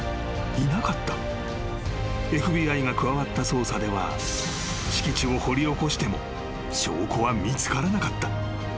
［ＦＢＩが加わった捜査では敷地を掘り起こしても証拠は見つからなかった］